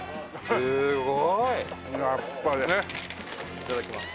いただきます。